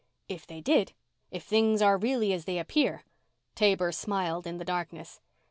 "If they did if things are really as they appear " Taber smiled in the darkness.